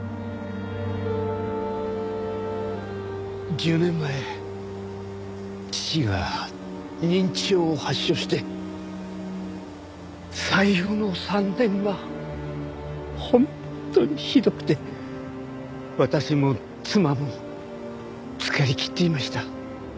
１０年前父が認知症を発症して最後の３年は本当にひどくて私も妻も疲れきっていました。